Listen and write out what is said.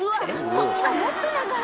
こっちはもっと長い！